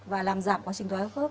và làm giảm quá trình thoải hóa khớp